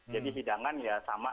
jadi hidangan ya sama